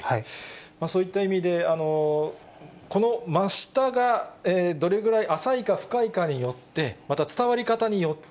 そういった意味で、この真下がどれぐらい浅いか深いかによって、また伝わり方によっ